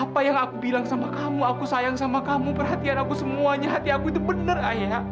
apa yang aku bilang sama kamu aku sayang sama kamu perhatian aku semuanya hati aku itu benar ayah